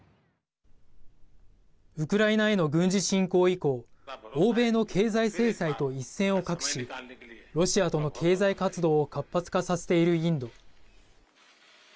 ウクライナへの軍事侵攻以降欧米の経済制裁と一線を画しロシアとの経済活動を活発化させているインド。